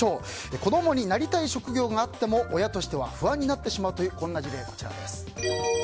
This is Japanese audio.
子供になりたい職業があっても親としては不安になってしまうという事例です。